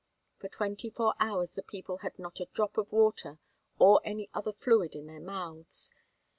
For twenty four hours the people had not had a drop of water or any other fluid in their mouths.